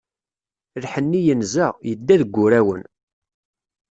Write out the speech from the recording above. Lḥenni yenza, yedda deg wurawen.